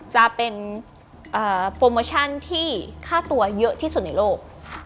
จะเป็นโปรโมชั่นที่ค่าตัวเยอะที่สุดในโลก